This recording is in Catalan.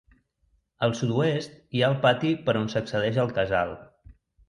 Al sud-oest hi ha el pati per on s'accedeix al casal.